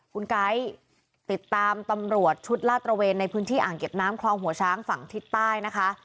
คุณไก๊ติดตามตำรวจชุดลาดตระเวนในพื้นที่อ่างเก็บน้ำคลองหัวช้างฝั่งทิศใต้นะคะ